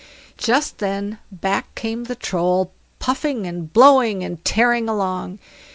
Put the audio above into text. Just then back came the Troll puffing and blowing and tearing along.